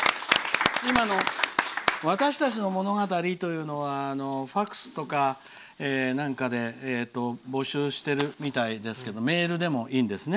今のわたしたちの“物語”というのはＦＡＸとかなんかで募集してるみたいですけどメールでもいいんですね。